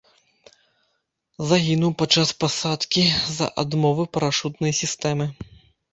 Загінуў падчас пасадкі з-за адмовы парашутнай сістэмы.